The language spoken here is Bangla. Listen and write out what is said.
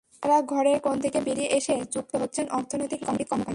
তাঁরা ঘরের কোণ থেকে বেরিয়ে এসে যুক্ত হচ্ছেন অর্থনৈতিক নানাবিধ কর্মকাণ্ডে।